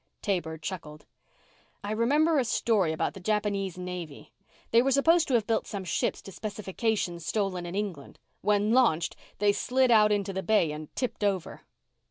Taber chuckled. "I remember a story about the Japanese Navy. They were supposed to have built some ships to specifications stolen in England. When launched, they slid out into the bay and tipped over."